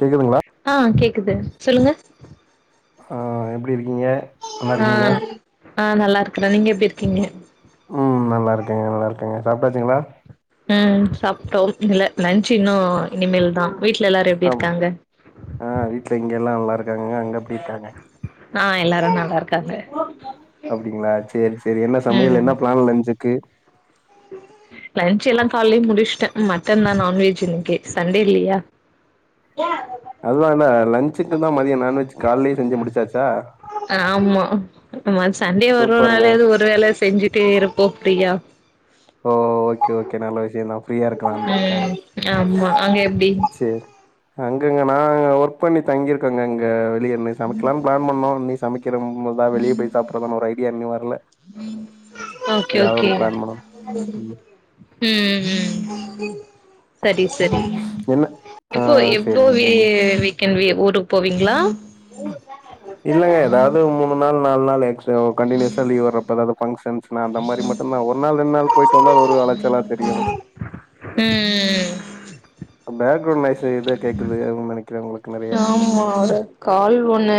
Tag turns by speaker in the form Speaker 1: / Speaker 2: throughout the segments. Speaker 1: கேக்குதுங்ளா
Speaker 2: ஆ கேக்குது சொல்லுங்க
Speaker 1: ஆ எப்டி இருக்கீங்க நல்லா இருக்கீங்களா
Speaker 2: ம் ஆ நல்லாருக்குற நீங்க எப்டி இருக்கீங்க
Speaker 1: ம் நல்லாருக்க நல்லாருக்க சாப்டாச்சுங்களா
Speaker 2: ம் சாப்ட்டோ இல்ல லன்ச் இன்னு இனிமேல் தா வீட்ல எல்லாரு எப்டி
Speaker 1: ஆமா
Speaker 2: இருக்காங்க
Speaker 1: ஆ வீட்ல இங்க எல்லா நல்லாருக்காங்க அங்க எப்டிருக்காங்க
Speaker 2: ஆ எல்லாரு நல்லாருக்காங்க
Speaker 1: அப்டிங்களா சேர் செரி என்ன சமையல் என்ன பிளான் லஞ்சுக்கு
Speaker 2: லன்ச் எல்லா கால்லயே முடிச்ட்ட மட்டன் தா நான்வெஜ் இன்னைக்கு சண்டே இல்லயா ஏ
Speaker 1: அதுதான்னா லன்சுக்குனா மதிய நான்வெஜ் கால்லயே செஞ்சு முடிச்சாச்சா
Speaker 2: ஆமா ஆமா சன்டே ஒரு
Speaker 1: சூப்பருங்க
Speaker 2: நாள்ள எது ஒரு வேலை செஞ்சுட்டே இருப் ஓ ப்யா
Speaker 1: ஓ ஓகே ஓகே நல்ல விஷய தா ஃப்ரீயா இருக்குலான் றதுக்காக
Speaker 2: ம் ஆமா அங்க எப்டி
Speaker 1: அங்கங்க நா ஒர்க் பண்ணி தங்கியிருக்கோங்க இங்க வெளிய இன்னை சமைக்கலானு பிளான் பண்ணோ நீ ஸ் சமைக்கிற ம்மு வருதா வெளிய போய் சாப்டுறதானு ஒரு ஐடியா இன்னு வரல எதாவது ஒரு பிளான் பண்ணணு
Speaker 2: ம் ம் ம் செரி செரி
Speaker 1: என்ன ஆ
Speaker 2: எப்போ எப்போ
Speaker 1: சேரிங்க
Speaker 2: இ
Speaker 1: சேரிங்க
Speaker 2: ஏறி கெளம்பி ஊருக்கு போவீங்களா
Speaker 1: இல்லங்க எதாவது மூணு நாள் நாலு நாள் எக்சோ கண்டினியூஸா லீவ் வர்றப்ப எதாவது ஃபங்க்ஷன்ஸ் நான் அந்த மாரி மட்டுதா ஒரு நாள் ரெண்டு நாள் போயிட்டு வந்தா அது ஒரு அளச்சலா தெரியு
Speaker 2: ம்
Speaker 1: பேக்ரவுண்ட் நாயிஸ்சு எதோ கேக்குது ஆகுனு நெனைக்குறே உங்களுக்கு நெறைய
Speaker 2: ஆமா ஒரு கால் ஒண்ணு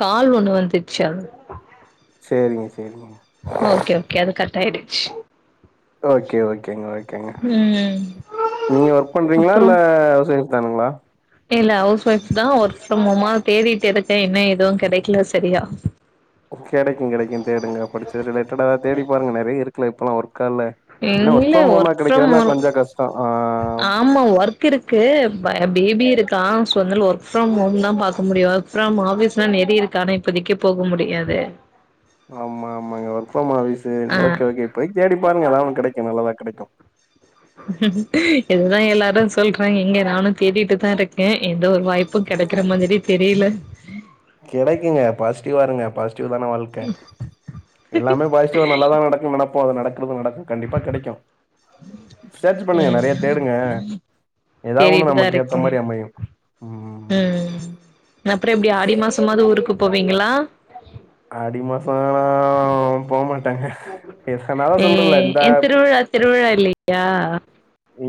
Speaker 2: கால் ஒண்ணு வந்துருச்சு அவ்ளோ
Speaker 1: சேரிங்க சேரிங்க
Speaker 2: ஓகே ஓகே அது கட் ஆயிடுச்சு
Speaker 1: ஓகே ஓகேங்க ஓகேங்க
Speaker 2: ம்
Speaker 1: நீங்க ஒர்க் பண்றீங்களா
Speaker 2: அப்புறோ
Speaker 1: இல்ல ஹவுஸ் ஒய்ஃப் தானுங்களா
Speaker 2: இல்ல ஹவுஸ் ஒயஃப் தா ஒர்க் ஃப்ரம் ஹோம்மா தேடிட்டு இருக்கே இன்னு எதுவு கெடைக்கல செரியா
Speaker 1: கெடைக்கு கெடைக்கு தேடுங்க படிச்சது ரிலேட்டடா தேடி பாருங்க நெறைய இருக்குல இப்பெல்லா ஒரு க்காலே என்ன ஒர்க் ஃப்ரம் ஹோமா கெடைக்கறன்னா கொஞ்சோ கஷ்டோ ஆ ம்
Speaker 2: ஆமாம் ஒர்க் இருக்கு ப பேபி இருக்கா சோ அதனால ஒர்க் ஃப்ரம் ஹோம் தா பாக்க முடியு ஃப்ரம் ஆபீஸ் ல்லா நெறிய இருக்கு ஆனா இப்பதைக்கு போக முடியாதே
Speaker 1: ஆமா ஆமாங்க ஒர்க் ஃப்ரம் ஆபீஸு
Speaker 2: ஆ
Speaker 1: ஓகே ஓகே இப்பதைக்கு தேடி பாருங்க எதாவது ஒன்னு கெடைக்கு நல்லதா கெடைக்கு
Speaker 2: இதுதா எல்லாரு சொல்றாய்ங்க எங்க நானு தேடிட்டு தா இருக்கே எந்த ஒரு வாய்ப் பு கெடைக்குற மாதிரி தெரியல
Speaker 1: கெடைக்குங்க பாசிட்டிவா இருங்க பாசிட்டிவ் தான வாழ்க்க எல்லாமே பாஸ் டிவா நல்லாதா நடக்கு நெனப்போ அது நடக்கிறது நடக்கு கண்டிப்பா கெடைக்கு சர்ச் பண்ணுங்க நெறைய
Speaker 2: ம்
Speaker 1: தேடுங்க எதாவது ஒண்ணு
Speaker 2: தேடிட்டுதா
Speaker 1: நமக்கு ஏத்த
Speaker 2: இருக்கே
Speaker 1: மாரி அமையு ம்
Speaker 2: ம் அப்பறோ எப்டி ஆடி மாசமாவது ஊருக்கு போவீங்களா
Speaker 1: ஆடி மாச ல்லா போ மாட்டேங்க இரு நா தா
Speaker 2: ஏ
Speaker 1: சொல்றேல இந்த
Speaker 2: ஏ திருவிழா திருவிழா இல்லையா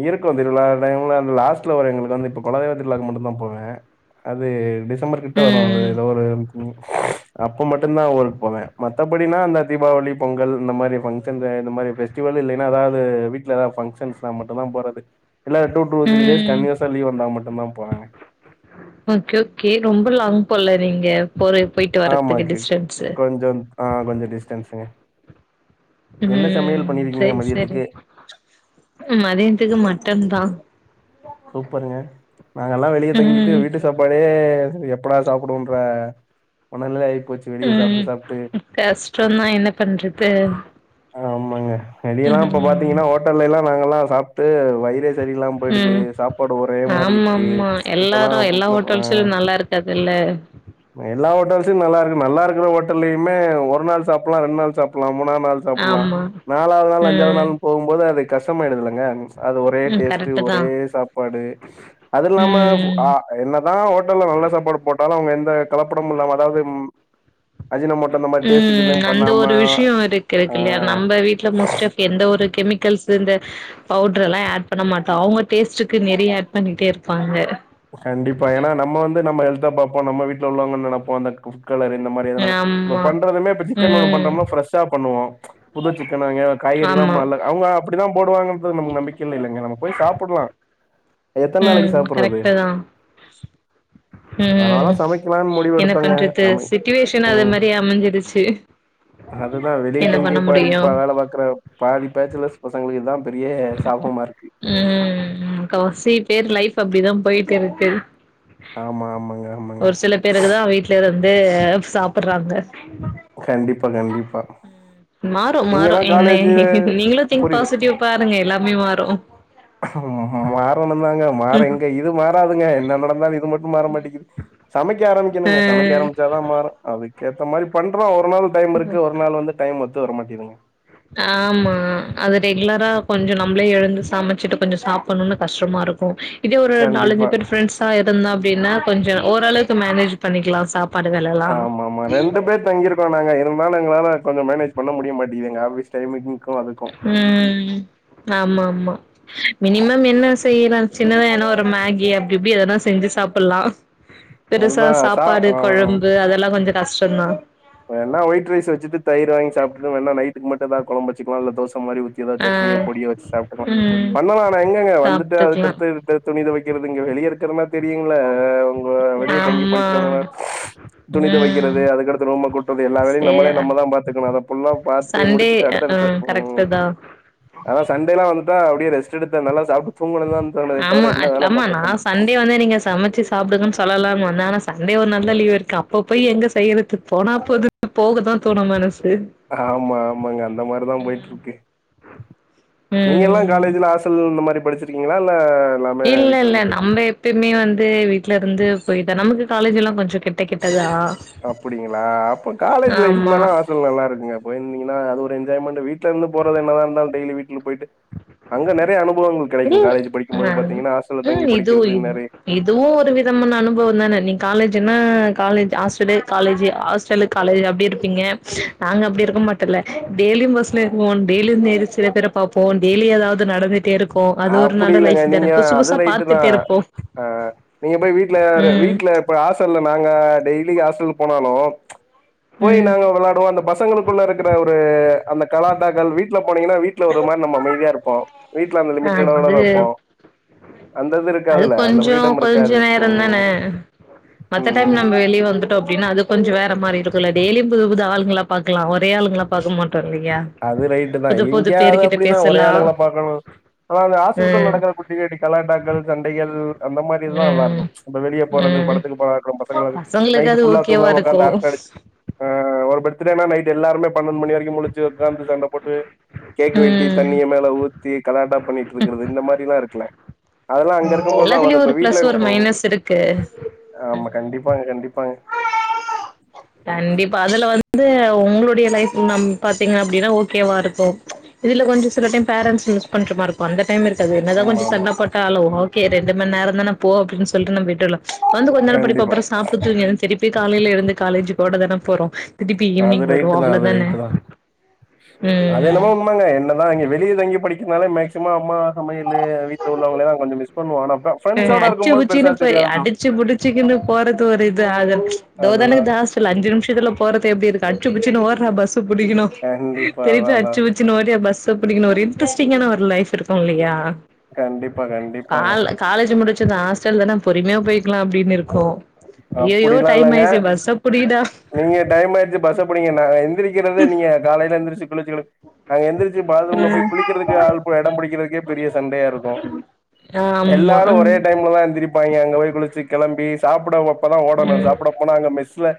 Speaker 1: இருக்கு திருவிழா டைம்ல லாஸ்ட்ல வரு எங்களுக்கு வந்து இப்ப குலதெய்வ திருவிழாக்கு மட்டு தா போவே அது டிசம்பர் கிட்ட வரு அது
Speaker 2: ம்
Speaker 1: எதோ ஒரு ம் அப்ப மட்டு தா ஊருக்கு போவே மத்தபடினா அந்த தீபாவளி பொங்கல் இந்த மாரி ஃபங்க்ஷன்ல இந்த மாரி ஃபெஸ் டிவல் இல்லனா அதாவது வீட்ல எதாவது ஃபங்க்ஷன்ஸ் வந்தா மட்டு தா போறது இல்ல டூ டு த்ரீ டேஸ்
Speaker 2: ம்
Speaker 1: கண்டினியூஸா லீவ் வந்தா மட்டுதா போவேங்க
Speaker 2: ஓகே ஓகே ரொம்ப லாங் போல நீங்க போறது போயிட்டு வர்றதுக்கு டிஸ்டன்ஸ்சு
Speaker 1: கொஞ்சம் ஆ கொஞ்ச டிஸ்டன்ஸுங்க என்ன
Speaker 2: ம்
Speaker 1: சமையல் பண்ணிருக்கீங்க மதியத்துக்கு
Speaker 2: ம் மதியத்துக்கு மட்டன் தா
Speaker 1: சூப்பருங்க நாங்கல்லா வெளிய தங்கிட்டு
Speaker 2: ம்
Speaker 1: வீட்டு சாப்பாடே எப் எப்படா சாப்புடுவோன்ற மனநிலை ஆயிப் போச்சி
Speaker 2: ம் கஷ்ட்டொந்தா என்ன பண்றது
Speaker 1: ஆமாங்க நடியெல்லாம் இப்ப
Speaker 2: ம்ஹ்ம்
Speaker 1: பாத்தீங்கன்னா ஹோட்டல்ல எல்லா நாங்கல்லா சாப்ட்டு வையிரு எ சரியில்லாம் போய்டுது
Speaker 2: ம்.
Speaker 1: சாப்பாடு ஒரே மாரி இருக்கு
Speaker 2: ஆமாமா.
Speaker 1: இப்பல்லா
Speaker 2: எல்லாரு எல்லா
Speaker 1: கூட்லோ
Speaker 2: ஹோட்டல்ஸ்லயு நல்லா இருக்காதுல்ல.
Speaker 1: எல்லா ஹோட்டல்ஸு நல்லா இருக்கு நல்லா இருக்கற ஹோட்டல்லையுமே ஒரு நாள் சாப்பல்லா ரெண்டு நாள் சாப்பல்லா மூனாவது நாள் சாப்பல்லா
Speaker 2: ஆமா.
Speaker 1: நாலாவது நாள் அஞ்சாவது
Speaker 2: ம்.
Speaker 1: நாள் போகும்போது அது கஷ்டமாயிடுது இல்லங்க அது ஒரே
Speaker 2: ம்
Speaker 1: டேஸ்ட்டு
Speaker 2: கரெக்ட்டு
Speaker 1: ஒரே
Speaker 2: தான்.
Speaker 1: சாப் பாடு அது இல்லாம
Speaker 2: ம்.
Speaker 1: அ என்னதா ஹோட்டல்ல நல்ல சாப்பாடு போட்டாலு அவங்க எந்த கலப்படம் இல்லாம அதாவது அஜினமோட்டோ இந்த மாரி டேஸ்ட்டுக்கு
Speaker 2: ம்
Speaker 1: எதும்
Speaker 2: அந்த
Speaker 1: பண்ணாம
Speaker 2: ஒரு விஷ்யோ இருக்குஇருக்கு இல்லையா
Speaker 1: ஆ
Speaker 2: நம்ம வீட்ல முஸ்டு எந்த ஒரு கெமிக்கல்ஸ்ஸு இந்த பவுட்ர் எல்லா ஆட் பண்ண மாட்டோம அவங்க டேஸ்ட்டுக்கு நெறைய ஆட் பண்ணிட்டே இருப்பாங்க
Speaker 1: கண்டிப்பா ஏனா நம்ம வந்து நம்ம ஹெல்தத்தா பாப்போ நம்ம வீட்டு உள்ளவங்க நெனப்போ அந்த குக் கலர் இந்த மாதிரி அதனால இப்ப
Speaker 2: ஆமா.
Speaker 1: பண்றதுமே இப்ப சிக்கன் வருவல்
Speaker 2: ம்.
Speaker 1: பண்றம்னா ஃப்ரெஷ்ஷா பண்ணுவோ புது சிக்கன வாங்கி காய்கறி எல்லா
Speaker 2: ஆமா.
Speaker 1: நல்ல அவங்க அப்டிதா போடுவாங்கன்றது நம்ப நம்பிக் இல் இல்லங்க நம்ம போய் சாப்புட்லா
Speaker 2: ம் கரெக்டு தா
Speaker 1: அதனால
Speaker 2: ம்
Speaker 1: தான் சமைக்கலான்னு முடிவு
Speaker 2: என்ன
Speaker 1: எடுத்தோங்க.
Speaker 2: பண்றது
Speaker 1: நம்ம
Speaker 2: சுட்டுவேஷன் அது மாதிரி அமைஞ்சிருச்சி
Speaker 1: அதுதா வெளியே தங்கிய பாடிப்பா வேலை பாக்குற பாதி பேச்சுலர்ஸ் பசங்களுக்கு இதா பெரிய சாபமா இருக்கு
Speaker 2: ம் முக்காவாசி பேர் லைஃப் அப்டிதா போயிட்டு இருக்கு
Speaker 1: ஆமா ஆமாங்க ஆமாங்க
Speaker 2: பிறகுதா வீட்லே வந்து சாப்புற்றாங்க
Speaker 1: கண்டிப்பா கண்டிப்பா
Speaker 2: மாறு மாறு
Speaker 1: நீங்கலாம்
Speaker 2: என்னை
Speaker 1: காலேஜ்
Speaker 2: நீங்களு திங்க் பாசிட்டிவ் பாருங்க எல்லாமே மாறு
Speaker 1: மாறணுன்ந்தாங்க மாற இங்க இது மாறாதுங்க என்ன நடந்தாலு இது மட் மாற மாட்டேக்கிது சமைக்க
Speaker 2: அ
Speaker 1: ஆரம்பிக்கணுங்க சமைக்க ஆரம்பிச்சாதா மாற ஏஅதுக்கேத்த மாரி பண்றோ ஒரு நாள் டைம் இருக்கு ஒரு நாள் வந்து டைம் ஒத்து வர மாட்டேன்துங்க
Speaker 2: ஆமா அது ரெகுலரா கொஞ்ச நம்ளே எழுந்து சமைச்சிட்டு கொஞ்சம் சாப்பன்ணுன்னா கஷ்டமா இருக்கு இதே ஒரு நாலஞ்சு
Speaker 1: கண்டிப்பா
Speaker 2: பேர் ஃப்ரெண்ட்ஸா இருந்தா அப்டின்னா கொஞ்சோ ஓரளவுக்கு மேனேஜ் பண்ணிக்கலா சாப்
Speaker 1: ஆமா ஆமா ரெண்டு பேர் தங்கிருப் து நாங்க இருந்தாலு எங்களால கொஞ்சோ மேனேஜ் பண்ண முடிய மாட்டேங்கி எங்க ஆபீஸ் டைமிங்கும் அதுக்கு
Speaker 2: ம் ஆமா ஆமா மினிமம் என்ன செய்யலா சின்னதா ஏன்னா ஒரு மேகி அப்டி இப்டி ஏதனா செஞ்சி சாப்பல்லா பெருசா
Speaker 1: அதுதான் சா
Speaker 2: சாப்பாடு
Speaker 1: ஆ
Speaker 2: கழம்பு அதெல்லா கொஞ்ச கஷ்டந்தா
Speaker 1: வேன்னா ஒயிட் ரைஸ் வச்சுட்டு தயர் வாங்கி சாப்டுட்டு வேன்னா நைட்டுக்கு மட்டு எதா கொழம்பு வெச்சிக்கிலா இல்ல தோச மாரி ஊத்தி எதோ
Speaker 2: ஆ
Speaker 1: சட்னியோ பொடியோ வெச்சு சாப்ட்டுக்கலா
Speaker 2: ம்
Speaker 1: பண்ணலா ஆனா எங்கங்க வந்துட்டு
Speaker 2: சாப்ட்டுக்லா
Speaker 1: அதுக்கடுத்து துணி தொவைக்கிறது இங்க வெளியே இருக்கற மார் தெரியுங்கள உங்க வெளியே தங்கி
Speaker 2: ஆமா
Speaker 1: படிக்கிறவங்களா துணி
Speaker 2: ம்
Speaker 1: தொவைக்கிறது அதுக்கடுத் ரூம்ம கூட்றது எல்லா வேலையு நம்மளே
Speaker 2: சேர்
Speaker 1: நம்ம தா பாத்துக்கணு அதை புல்லாவு பாத்து
Speaker 2: சண்டே
Speaker 1: முடிச்சுட்டு அடுத்தடுத்த
Speaker 2: ம்
Speaker 1: உ
Speaker 2: கரெக்ட்டு தா
Speaker 1: ஆனா சண்டெலா வந்துட்டா அப்டியே ரெஸ்ட் எடுத்தா நல்லா சாப்ட்டு தூங்கணுதா தோணுதே
Speaker 2: ஆமா
Speaker 1: தவிர என்ன வேல
Speaker 2: அத்தாமா
Speaker 1: பாக்க
Speaker 2: நா
Speaker 1: தோணு
Speaker 2: சண்டே வந்து நீங்க சமச்சி சாப்புடுங்கன் சொல்லலான்னு வந்த ஆனா சண்டே ஒரு நாள்தா லீவ்வு இருக்கு அப்ப போய் எங்க செய்யறது போனா போது போகதா தோணு மனசு
Speaker 1: ஆமா ஆமாங்க அந்த மாரிதா போயிட்ருக்கு நீங்க எல்லா
Speaker 2: ம்
Speaker 1: காலேஜ்ல ஆசல் இந்த மாரி படிச்சிருக்கீங்ளா இல்ல எல்லாமே
Speaker 2: இல்ல
Speaker 1: வீட்ல
Speaker 2: இல்ல
Speaker 1: இருந்து போயிட்டு
Speaker 2: நம்ம எப்பிமே வந்து வீட்ல இருந்து போயித்தா நமக்கு காலேஜ்லா கொஞ்ச கிட்ட கிட்டதா ஆமா
Speaker 1: ஆஸ்டல் நல்லா இருக்குங்க போயிருந்தீங்கன்னா அது ஒரு என்ஜாய்மென்டு வீட்ல இருந்து போறது என்னத இருந்தாலு டெய்லி வீட்டுல போயிட்டு அங்க நறைய அனுபவங்கள் கடைக்கு
Speaker 2: ம்
Speaker 1: காலேஜ் படிக்கும் போது
Speaker 2: ம்
Speaker 1: பாத்தீங்கன்னா ஹாஸ்டல்ல
Speaker 2: ம்
Speaker 1: தங்கி
Speaker 2: இது
Speaker 1: படிக்கிறது இந் மாரி
Speaker 2: இதுவு ஒரு விதமான அனுபவம் தான நீ காலேஜ்ன்னா காலேஜ் ஆஸ்டலு காலேஜ் ஆஸ்டலுக் காலேஜ் அப்டி இருப்பீங்க நாங்க அப்டி இருக்க மாட்டல்ல டெய்லியு பஸ்ல ஏறுவோ டெய்லியும் சில பேர் பார்ப்போ டெய்லி எதாவது நடந்துட்டே இருக்கு அது ஒரு
Speaker 1: அப்டி
Speaker 2: நல்ல
Speaker 1: இல்லங்க
Speaker 2: லைஃப் தான
Speaker 1: நீங்க
Speaker 2: புசுசு
Speaker 1: அது
Speaker 2: புதுசா
Speaker 1: ரைட்டு தா
Speaker 2: பா்த்துட்டே இருப்போ
Speaker 1: ஆ நீங்க போய் வீட்ல யாரு
Speaker 2: ம்
Speaker 1: வீட்ல ஹாசல் நாங்க டெய்லி ஆஸ்டல் போனாலு போய்
Speaker 2: ம்
Speaker 1: நாங்க வெளாட சோ அந்த பசங்களுக்குள்ள இருக்கிற ஒரு அந்த கலாட்டாக்கள் வீட்ல போனீங்கன்னா வீட்ல ஒரு மாரி நம்ம அமைதியா இருப்போ வீட்ல அந்த லிமிட்டட் அளவுலதா
Speaker 2: அது
Speaker 1: இருப்போ அந்தது
Speaker 2: அது கொஞ்சோ கொஞ்ச நேரந்தான மத்த டைம்
Speaker 1: ம்
Speaker 2: நம்ம வெளிய வந்துட்டோ அப்டின்னா அது கொஞ்ச வேற மாரி இருக்குல டெ்லியும் புது புது ஆளுங்களா பாக்கல ஒரே ஆளுங்ளா
Speaker 1: அது ரைட்டு தா
Speaker 2: புது
Speaker 1: எங்கேயா அது
Speaker 2: பேருகிட்ட
Speaker 1: அப்டிதா ஒரே
Speaker 2: பேசலா
Speaker 1: ஆளுங்கள பாக்கணு ஆனா அங்க ஹாசுல்குள்
Speaker 2: ம்
Speaker 1: நடக்கற குட்டி கஃகுட்டி கலாட்டாக்கள் ச படைகள் அந்த மாரிதா நல்லா
Speaker 2: ம்
Speaker 1: இருக்கு இப்ப வெளிய போறது
Speaker 2: ம்
Speaker 1: படத்துக்கு போற இருக்க பசங்கள்
Speaker 2: பசங்களுக்கு
Speaker 1: நைட்டு
Speaker 2: அது
Speaker 1: ஃபுல்லா
Speaker 2: ஓகேவா
Speaker 1: தூங்கா
Speaker 2: இருக்கு
Speaker 1: உக்காந்து அரட்ட அடிச் ஆ ஒரு பர்த்டேனா நைட் எல்லாருமே பன்னெண்டு மணி வரைக்கு முளிச்சு உட்காந்து சண்ட போட்டு கேக் வெட்டி
Speaker 2: ம்
Speaker 1: தண்ணிய மேல ஊத்தி கலாட்டா பண்ணிட் இருக்கிறது இந்த மாரிலா இருக்குல அதல்லா அங்க
Speaker 2: ம்
Speaker 1: இருக்கும் போதுதா வரு
Speaker 2: எல்லாத்துலயு
Speaker 1: இப்ப
Speaker 2: ஒரு
Speaker 1: வீட்ல
Speaker 2: பிளஸ் ஒரு
Speaker 1: ம்
Speaker 2: மைனஸ் இருக்கு
Speaker 1: ஆமா கண்டிப்பாங்க கண்டிப்பாங்க
Speaker 2: கண்டிப்பா அதுல வந்து உங்களுடைய லைஃப்ல நம் பாத்தீங்க அப்டின்னா ஓகேவா இருக்கு இதுல கொஞ்ச சில டைம் பேரண்ட்ஸ் மிஸ் பண்ற மார் இருக் இப்ப அந்த டைம் இருக்காது என்னதா
Speaker 1: ஆமா
Speaker 2: கொஞ்ச
Speaker 1: ஆமா
Speaker 2: சண்டப் போட்டாலு ஓகே ரெண்டு மண் நேரந்தான போ அப்டின் சொல்ட்டு நம் வீட்டர்ல வந்து கொஞ்ச நேர படிப்ப
Speaker 1: கண்டிப்பா
Speaker 2: அப்பற சாப்டு தூங்கிருவ திருப்பி காலையில எழுந்து காலேஜ் போட தான போறோ திடிப்பி ஈவினிங்
Speaker 1: அது
Speaker 2: வரு
Speaker 1: ரைட்டு தா அது
Speaker 2: அவ்ளோதான
Speaker 1: ரைட்டு
Speaker 2: ம்
Speaker 1: அது
Speaker 2: ம்
Speaker 1: என்னமோ ஆமாங்க என்ன தா இங்க வெளிய தங்கி படிக்கினாலே மேக்சிமம் அம்மா சமையல் வீட்ல உள்ளவங்ள தா கொஞ்ச மிஸ் பண்ணுவோ ஆனப்ப
Speaker 2: அ அச்சு புச்சின்னு போய் அடிச்சு புடிச்சுக்குன்னு போறது ஒரு இது ஆக தோ தான
Speaker 1: அதுதான்.
Speaker 2: இக்கு ஹாஸ் டல் அஞ்சு நிம்ஷத்துல போறது எப்டி இருக்கு அச்புச்சுன்னு ஓட்றா பஸ்ஸ புடிகணு
Speaker 1: கண்டிப்பா.
Speaker 2: திருப்பி
Speaker 1: அதான், அதான்.
Speaker 2: அச்சு ச்சுன்னு ஓடியா பஸ் புடிக்கனு ஒரு இன்ட்ரெஸ்டிங்கான ஒரு லைஃப் இருக்கு இல்லையா
Speaker 1: கண்டிப்பா கண்டிப்பாங்க
Speaker 2: கால் காலேஜ் முடிச்சது ஹாஸ்டல் தானா பொறுமையா போயிக்லா அப்டின் இருக்கோ அய்யய்யோ
Speaker 1: அப்படிலாம்
Speaker 2: டைம்
Speaker 1: இல்லங்க.
Speaker 2: ஆச்சு பஸ்ஸ புடி டா
Speaker 1: நீங்க டைம் ஆயிடுச்சு பஸ்ஸ புடீங்க நாங்க எந்திரிக்கிறதே நீங்க காலையில எந்திரிச்சு குளிச்சு நாங்க எந்திரிச்சு பாத்ரூம்ல
Speaker 2: ம்
Speaker 1: போய் குளிக்கிறதுக்கு ஆள் இடம் புடிக்கிறதுக்கே பெரிய சண்டையா இருக்கு
Speaker 2: ஆமா
Speaker 1: எல்லாரு
Speaker 2: ம்
Speaker 1: ஒரே டைம்ல தா எந்திரிப்பாங்கே அங்க போய் குளிச்சு கெளம்பி சாப்ட அப்ப தா
Speaker 2: ம் ம்
Speaker 1: ஓடணு சாப்ட போனா அங்க மெஸ்ல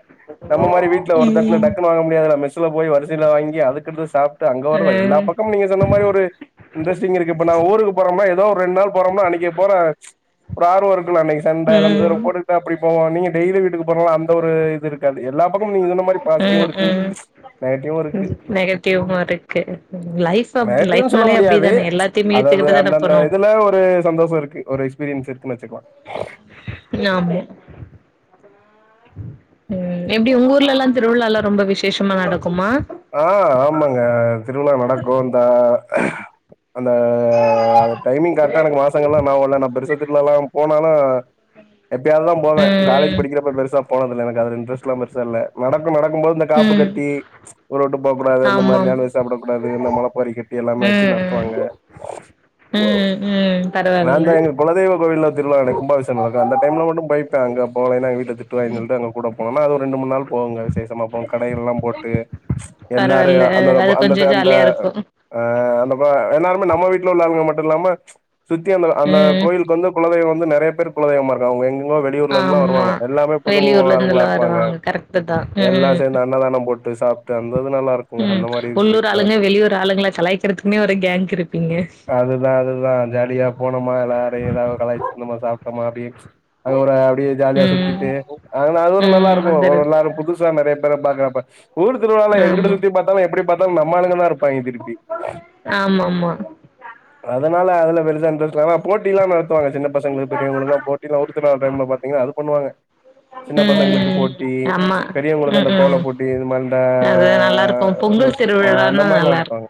Speaker 1: நம்ம மாரி வீட்ல ஒரு தட்ல டக்குன்னு வாங்க முடியாதுல மெஸ் அங்கபோய் வரிசையில வாங்கி அதுக்கடுத்து சாப்புட்டு அங்க
Speaker 2: ம்
Speaker 1: வர எல்லா பக்கம் நீங்க சொன்ன மாரி ஒரு இன்ட்ரெஸ்டிங் இருக்கு இப்ப நாங்க ஊருக்கு போறோமா ஏதோ ஒரு ரெண்டு நாள் போறோம்னா அன்னகி போற ஒரு ஆர்வ இருக்குல அன்னக்கி சண்ட சன்ச்சர போட்டுட்டு அப்டி போவோ நீங்க டெய்லி வீட்டுக்கு போற அந்த ஒரு இது இருக்காது எல்லா பக்கமு நீங்க சொன்ன து மாரி பாஸ்டிவ் இருக்கு நெகட்டிவு இருக்கு
Speaker 2: நெகட்டிவ் மார் இருக்கு லைஃப் ஆப் லைஃப்னாலே அப்டிதான எல்லார்
Speaker 1: அதது அந்தந்த இதுல ஒரு சந்தோஷ இருக்கு ஒரு எக்ஸ்பீரியன்ஸ் இருக்குன்னு வச்சுக்கலா
Speaker 2: நா ப்பே ம் எப்டி உங்க ஊர்லல்லா திருவிழா ல்லா ரொம்ப விசேஷமா நடக்குமா
Speaker 1: ஆ ஆமாங்க திருவிழா நடக்கு அந்தா அந்த அது டைமிங் கரெக்டா எனக்கு மாசங்கல்லா ஞாபகோ இல்ல நா பெருசா திருழால்லா போனாலு எப்பயாவது தா போவே காலேஜ்
Speaker 2: ம்
Speaker 1: படிக்கிறப்ப பெருசா போனதுல்ல எனக்கு அதுல இன்ரெஸ்ட் பெருசா இல்ல நடக்கு நடக்கும் போது இந்த காப்பு
Speaker 2: ம்
Speaker 1: கட்டி ஊர விட்டு போகக்கூடாது அந்த
Speaker 2: ஆமாம்
Speaker 1: மாரியான விஷ் சாப்டபுடாது இந்த மொளப்பாரிக்கி எல்லாமே வச்சு
Speaker 2: ம் ம்
Speaker 1: நடத்துவாங்க
Speaker 2: ம் ம்
Speaker 1: நா தா
Speaker 2: பரவால்ல
Speaker 1: எங்க குலதெய்வ கோவில்ல திருவிழா நடக்கு கும்பாபிஷேக நடக்கு அந்த டைம்ல மட்டு போயிபே அங்க போகலேனா எங்க வீட்ல திட்டுவாங்கனு சொல்லிட்டு அங்க கூட போனனா அது ரெண்டு மூணு நாள் போவேங்க விசேஷமாப்போ கடைகள் எல்லா போட்டு எல்லாரு
Speaker 2: பரவால்ல அ அது
Speaker 1: அந்தந்தப
Speaker 2: கொஞ்சோ
Speaker 1: அந்தந்த அந்த
Speaker 2: ஜாலியா இருக்கு
Speaker 1: அ அந்த மா எல்லாருமே நம்ம வீட்ல உள்ளவங்க மட்டு இல்லாம சுத்தி அந்த அந்த
Speaker 2: ம்
Speaker 1: கோயிலுக்கு வந்து குலதெய்வ வந்து நெறையா பேர் குலதெய்வமா இருக்காங்க எங் வெளியூர்ல இருந்துல்லா
Speaker 2: ஆமா
Speaker 1: வருவாங்க எல்லாமே புது மொக
Speaker 2: வெளியூர்ல
Speaker 1: ஆளுங்களா
Speaker 2: இருந்துலா
Speaker 1: இருப்பாங்க
Speaker 2: வருவாங்க கரெக்ட்டு தா
Speaker 1: எல்லா
Speaker 2: ம்
Speaker 1: சேந்து அன்னதானோ போட் சாப்டு அந்தது நல்லா இருக்
Speaker 2: ம்
Speaker 1: அந்த மாரி
Speaker 2: உள்ளூர்
Speaker 1: போய்ட்டு
Speaker 2: ஆளுங்க வெளியூர் ஆளுங்கள கலாய்க்கிறதுக்குன்னே ஒரு கேங் இருப்பீங்க
Speaker 1: [unintelligible] அதுதா அதுதா ஜாலியா போனோமா எல்லாரையு ஏதாவது கலாய்ச்சி இருந்தமா சாப்டோமா அப்டிய அங்க ஒரு அப்டியே ஜாலியா
Speaker 2: ம்
Speaker 1: சுத்திட்டு ஆனா அது ஒரு நல்லா
Speaker 2: ம்
Speaker 1: இருக்கு ஒரு
Speaker 2: வந்துருது
Speaker 1: நாள் புதுசா நெறையா பேர பாக்குறப்ப ஊர் திருவிழா எங்குட்டு
Speaker 2: ஆமா
Speaker 1: சுத்தி பாத்தாலு எப்டி பாத்தாலு நம்ம ஆளுங்கதா இரு பாங்கே திருப்பி
Speaker 2: ஆமா ஆமா
Speaker 1: அதனால அதுல பெருசா இன்ரஸ்ட் இல்ல ஆனா போட்டி எல்லா நடத்துவாங்க சின்ன பசங்க பெரியவங்களுக்கு எல்லா போட்டி ஒருத்தர் டைம்ல பாத்தீங்களா அது பண்ணுவாங்க சின்ன பசங்களுக்கு
Speaker 2: ம்
Speaker 1: போட்டி
Speaker 2: ஆமா
Speaker 1: பெரியவங்களுக்கு
Speaker 2: ம்
Speaker 1: அந்த கோல
Speaker 2: ம்
Speaker 1: போட்டி இது மாரி இந்த
Speaker 2: அது நல்லா இருக்கு
Speaker 1: அந்த
Speaker 2: பொங்கல்
Speaker 1: சு- ஆ அந்த
Speaker 2: திருவிழானா
Speaker 1: மாரிலா
Speaker 2: நல்லா இருக்கு
Speaker 1: நடத்துவாங்க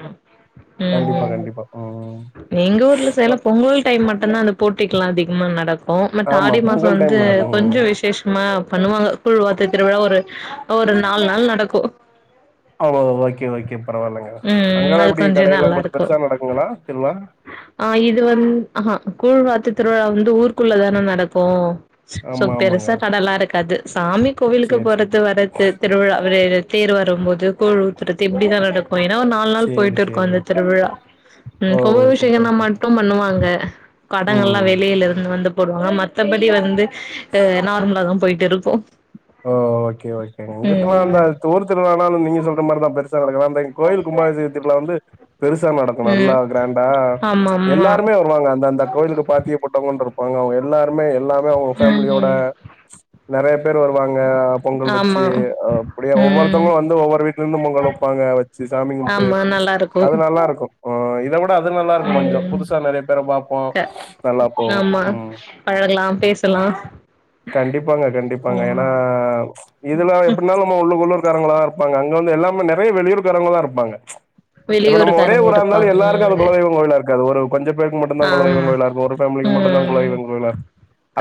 Speaker 2: ம்
Speaker 1: கண்டிப்பா
Speaker 2: ம்
Speaker 1: கண்டிப்பா ம்
Speaker 2: எங்க ஊர்ல சைட்லா பொங்கல் டைம் மட்டந்தா அந்த போட்டிகல்லா அதிகமா நடக்கு பட்
Speaker 1: ஆமா
Speaker 2: ஆடி மாசோ
Speaker 1: பொங்கல்
Speaker 2: வந்து
Speaker 1: டைம் நடக்கு ம்
Speaker 2: கொஞ்ச விசேஷ மா பண்ணுவாங்க கூழ்வார்த்து திருவிழா ஒரு ஒரு நாலு நாள் நடக்கு
Speaker 1: ஆமா ஓகே ஓகே பரவாயில்லங்க
Speaker 2: ம்
Speaker 1: அங்கெல்லா
Speaker 2: அது
Speaker 1: எப்டி
Speaker 2: கொஞ்சம்
Speaker 1: கடையெல்லா
Speaker 2: நல்லா
Speaker 1: போட்டு
Speaker 2: இருக்கும்
Speaker 1: பெருசா நடக்குங்களா திருவ்ழா
Speaker 2: ஆ இது வந்து ஆகா கூழ்வார்த்து திருவிழா வந்து ஊருக்குள்ள தான நடக்கு சோ
Speaker 1: ஆமா ஆமாங்க
Speaker 2: பெருசா கடலா இருக்காது சாமி கோவிலுக்கு
Speaker 1: சேரி சேரி
Speaker 2: போறது வர்றது திருவிழா தேர் வரும் போது கூழ் ஊத்துறது இப்டிதா நடக்கு ஏனா நால் நாள்
Speaker 1: சேரி
Speaker 2: போயிட்டு இருக்கு
Speaker 1: சேரிங்க
Speaker 2: அந்த திருவிழா
Speaker 1: ஓ
Speaker 2: ம் கும்பாபிஷேகோனா
Speaker 1: சூப்பர் சூப்பர்
Speaker 2: மட்டு பண்ணுவாங்க கடங்க எல்லா
Speaker 1: ம்
Speaker 2: வெளியில இருந்து வந்து போடுவாங்க மத் மத்தபடி வந்து நார்மலா தா போயிட்டு இருக்கு
Speaker 1: ஓ ஓகே ஓகே இங்கிட்டெல்லா அந்த
Speaker 2: ம்
Speaker 1: தூர் திருவிழானால நீங்க சொல்ற மாரிதா பெருசா நடக்குதாலிங் கோயில் கும்பாபிஷயத்துல வந்து பெருசா நடக்கு
Speaker 2: ம் ம்
Speaker 1: நல்லா க்ராண்டா
Speaker 2: ஆமா ஆமா
Speaker 1: எல்லாருமே வந் ஆமாங்க அந்த அந்த கோயிலுக்கு பாத்திய பட்டவங்கன்னு இருப்பாங்க அவங்க எல்லாருமே எல்லாமே அவங்க
Speaker 2: ம்
Speaker 1: ஃபேமிலியோட
Speaker 2: ம்
Speaker 1: நெறையா பேர் வருவாங்க பொங்கல்
Speaker 2: ஆமா
Speaker 1: வச்சு அ அப்டியே
Speaker 2: ம்
Speaker 1: ஒவ்வொருத்தவங்களு வந்து ஒவ்வொரு வீட்ல இருந்து பொங்கல் வெப்பாங்க வச்சு சாமி கும்ட்டு
Speaker 2: ஆமா நல்லா இருக்கு
Speaker 1: அது நல்லா இருக்கு ஆ இத விட அது நல்லா இருக்கு கொஞ்சோ
Speaker 2: ம்
Speaker 1: புதுசா நெறையா பேர பாப்போ
Speaker 2: க
Speaker 1: நல்லா போகு
Speaker 2: ஆமா
Speaker 1: ம்
Speaker 2: பழகலா பேசலா
Speaker 1: கண்டிப்பாங்க கண்டிப்பாங்க ஏனா இதுலா எப்டினாலு நம்ம உள்ள உள்ளூர் காரங்களா தா இருப்பாங்க அங்க வந்து எல்லாமே நெறையா வெளியூர் காரங்க தா இருப்பாங்க இப்ப நம்ம ஒரே
Speaker 2: வெளியூருக்காரங்க
Speaker 1: ஊரா இருந்தாலு எல்லாருக்கு அது
Speaker 2: இருப்பாங்க
Speaker 1: குலதெய்வ கோயிலா இருக்காது ஒரு கொஞ்ச பேருக்கு மட்டுந்தா
Speaker 2: ஆமா
Speaker 1: குலதெய்வங்கோயிலா இருக்கு ஒரு ஃபேமிலிக்கு மட்டுந்தா
Speaker 2: ம்
Speaker 1: குலதெய்வங்கோயிலா இருக்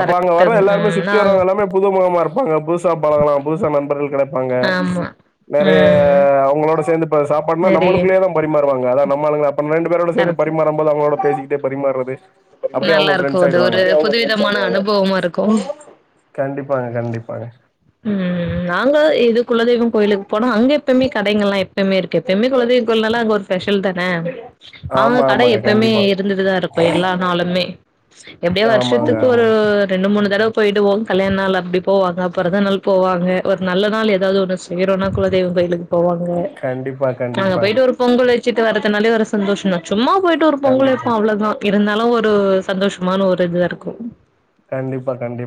Speaker 1: அப்ப அங்க வர எல்லாருமே சு
Speaker 2: ம் நாங்
Speaker 1: ன்ன புது முகமா இருப்பாங்க புதுசா பழகலா புதுசா நண்பர்கள் கெடப் பாங்க
Speaker 2: ஆமா
Speaker 1: நெறைய
Speaker 2: ம்
Speaker 1: அவுங்களோட சேந்துப்ப சாப்பாட்னா
Speaker 2: நெறைய
Speaker 1: நம்மளுக்குள்ளேயே தா பரிமாறுவாங்க அதா நம்மாளுங்க அப்ப ரெண்டு பேரோட சேந்து
Speaker 2: கரெக்ட்
Speaker 1: பரிமாறும் போது அவுங்களோட பேசிக்கிட்டே பரிமார்றது
Speaker 2: நல்லாருக்கு அது ஒரு புதுவிதமான அனுபவமா இருக்கு
Speaker 1: கண்டிப்பாங்க கண்டிப்பாங்க
Speaker 2: ம் ம் நாங்க இது குல தெய்வ கோயிலு போனோ அங்க எப்பமே கடைங்கள்லா எப்பமே இருக்கு எப்பயு குலதெய்வ கோயிலல்லா அங்க ஸ்பெஷல் தானே அவுங்க
Speaker 1: ஆமா,
Speaker 2: கடை
Speaker 1: ஆமாங்க.
Speaker 2: எப்பமே
Speaker 1: கண்டிப்பா.
Speaker 2: இருந்துட்டுதா இருக்கு எல்லா நாளுமே எப்டியு
Speaker 1: ஆமாங்க,
Speaker 2: வருஷத்துக்கு
Speaker 1: ஆமாங்க.
Speaker 2: ஒரு ரெண்டு மூணு தடவ போயிடுவோ கல்யாண் நாள் அப்டி போவாங்க பொறந்த நாள் போவாங்க ஒரு நல்ல நாள் ஏதாவது ஒண்ணு செய்றோ னா குலதெய்வ கோயிலு போவாங்க
Speaker 1: கண்டிப்பா
Speaker 2: நாங்க
Speaker 1: கண்டிப்பாங்க.
Speaker 2: போயிட்டு ஒரு பொங்கல் வச்சிட்டு வரதுனாலே ஒரு சந்தோஷ தா சும்மா போயிட்டு ஒரு பொங்கல்
Speaker 1: கண்டிப்பா.
Speaker 2: வெப்போ அவ்ளோதா இருந்தாலு ஒரு சந்தோஷமான ஒரு இதுவா இருக்கு
Speaker 1: கண்டிப்பா கண்டிப்பா